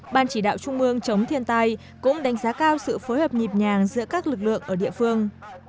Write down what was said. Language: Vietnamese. ban chỉ đạo trung mương chống thiên tai cũng đánh giá cao sự phối hợp nhịp nhàng giữa các lực lượng ở địa phương